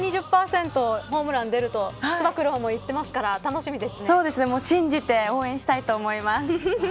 １２０％ホームランでるとつば九郎も言ってますから信じて応援したいと思います。